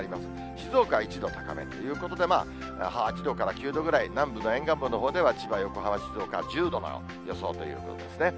静岡１度高めということで、８度から９度ぐらい、南部の沿岸部のほうでは千葉、横浜、静岡、１０度の予想ということですね。